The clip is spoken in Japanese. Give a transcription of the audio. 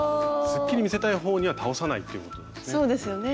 すっきり見せたい方には倒さないということですね？